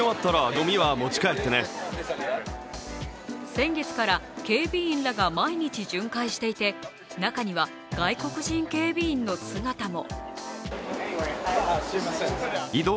先月から警備員らが毎日巡回していて中には外国人警備員の姿も。